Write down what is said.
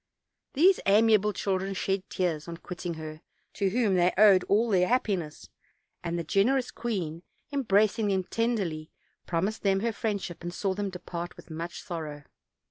These amiable chil dren shed tears on quitting her to whom they owed all their happiness, and the generous queen, embracing them tenderly, promised them her friendship, and saw them depart with much sorrow.